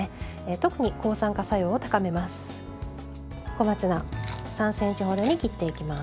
特に抗酸化作用を高めます。